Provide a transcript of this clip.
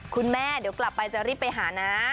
คุณแม่เดี๋ยวกลับไปจะรีบไปหานะ